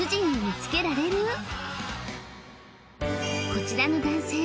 こちらの男性